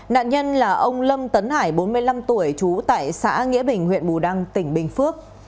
nạn nhân là ông lâm tấn hải bốn mươi năm tuổi trú tại xã nghĩa bình huyện bù đăng tỉnh bình phước